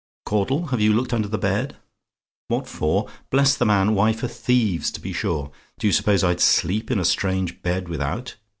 "Caudle, have you looked under the bed? "WHAT FOR? "Bless the man! Why, for thieves, to be sure. Do you suppose I'd sleep in a strange bed without?